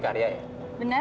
iya tadi ada yang pesen taksi